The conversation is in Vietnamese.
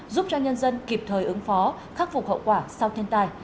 giúp cho nhân dân kịp thời ứng phó khắc phục hậu quả sau thiên tai